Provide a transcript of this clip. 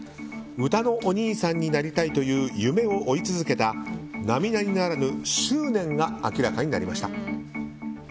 うたのおにいさんになりたいという夢を追い続けた並々ならぬ執念が明らかになりました。